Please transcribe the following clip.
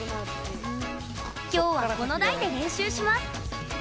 きょうは、この台で練習します。